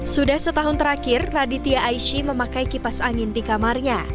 sudah setahun terakhir raditya aishi memakai kipas angin di kamarnya